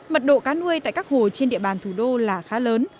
mật độ cá nuôi tại các hồ trên địa bàn thủ đô là khá lớn